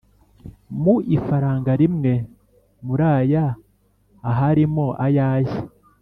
mu ifaranga rimwe mu raya aharimo ayajye